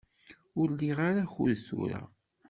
Ur liɣ ara akud tura.